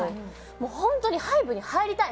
もうホントにＨＹＢＥに入りたい！